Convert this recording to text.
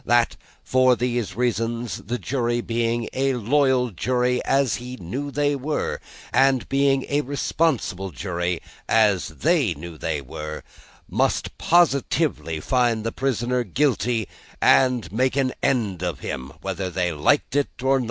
That, for these reasons, the jury, being a loyal jury (as he knew they were), and being a responsible jury (as they knew they were), must positively find the prisoner Guilty, and make an end of him, whether they liked it or not.